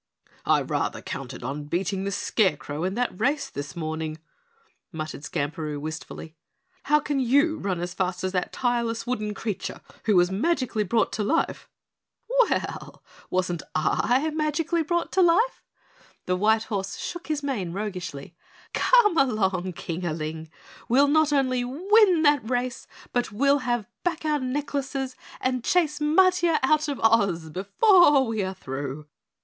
"I rather counted on beating the Scarecrow in that race this morning," muttered Skamperoo wistfully. "How can you run as fast as that tireless wooden creature who was magically brought to life?" "Well, wasn't I magically brought to life?" The white horse shook his mane roguishly. "Come along, Kingaling, we'll not only win that race, but we'll have back our necklaces and chase Matiah out of Oz before we are through."